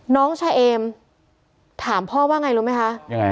น้องเชอมถามพ่อว่าไงรู้ไหมคะ